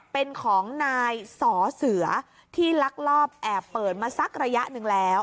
เป็นของนายสอเสือที่ลักลอบแอบเปิดมาสักระยะหนึ่งแล้ว